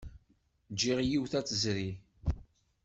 Jjiɣ yiwet ad tezri.